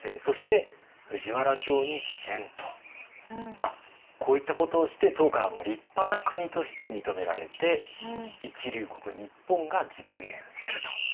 まあこういったことをして唐からも立派な国として認められて一流国日本が実現すると。